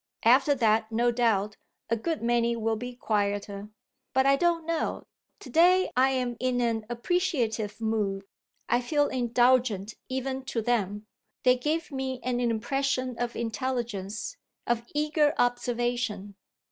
After that, no doubt, a good many will be quieter. But I don't know; to day I'm in an appreciative mood I feel indulgent even to them: they give me an impression of intelligence, of eager observation.